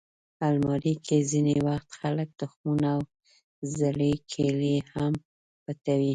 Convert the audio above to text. الماري کې ځینې وخت خلک تخمونه او زړې کیلې هم پټوي